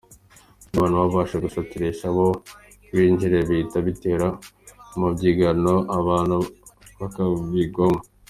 Iyo abantu bashatse gusohokera aho binjiriye bihita bitera umubyigano abantu bakabigwamo.